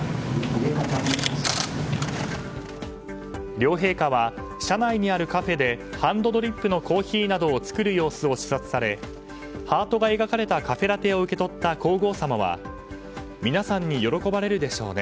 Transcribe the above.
両陛下は社内にあるカフェでハンドドリップのコーヒーなどを作る様子を視察されハートが描かれたカフェラテを受け取った皇后さまは皆さんに喜ばれるでしょうね。